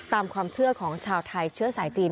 ตามความเชื่อของชาวไทยเชื้อสายจีน